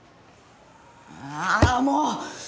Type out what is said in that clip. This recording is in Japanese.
ああもう！